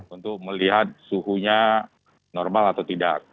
untuk melihat suhunya normal atau tidak